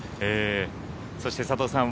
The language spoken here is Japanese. そして佐藤さん